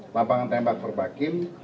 lapangan tembak perpakim